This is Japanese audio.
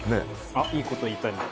いいこと言った今。